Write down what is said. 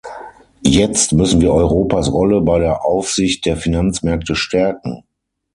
Jetzt müssen wir Europas Rolle bei der Aufsicht der Finanzmärkte stärken.